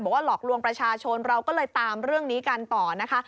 หลอกลวงประชาชนเราก็เลยตามเรื่องนี้กันต่อนะคะ